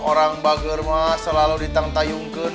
orang bager selalu ditantayungkan